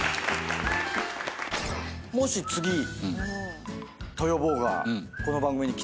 もし次豊坊がこの番組に来てくれたら。